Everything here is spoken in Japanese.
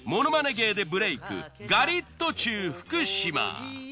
芸でブレイクガリットチュウ福島。